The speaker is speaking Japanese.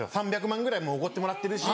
３００万ぐらいおごってもらってるし。